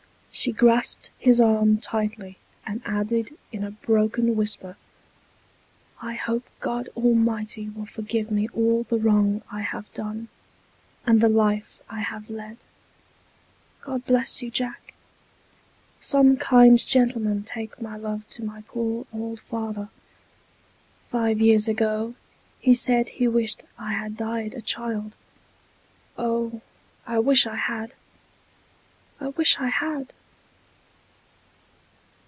She grasped his arm tightly, and added, in a broken whisper, " I hope God Almighty will forgive mo all the wrong I have done, and the life I have led. God bless you, Jack. Some kind gentleman take my love to my poor old father. Concerning Old Boys. 181 Five years ago, he said he wished I had died a child. Oh, I wish I had ! I wish I had